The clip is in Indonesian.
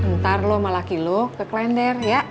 ntar lo sama laki lo ke klender ya